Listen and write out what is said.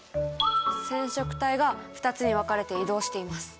染色体が２つに分かれて移動しています。